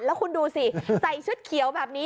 แล้วคุณดูสิใส่ชุดเขียวแบบนี้